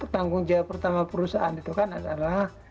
tanggung jawab pertama perusahaan itu kan adalah